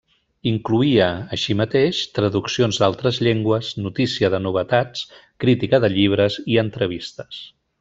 Incloïa, així mateix, traduccions d'altres llengües, notícia de novetats, crítica de llibres i entrevistes.